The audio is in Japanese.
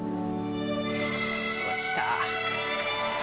うわっ来た。